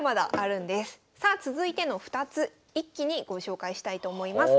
さあ続いての２つ一気にご紹介したいと思います。